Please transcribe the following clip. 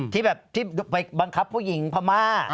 ที่แบบที่ไปบังคับผู้หญิงพม่า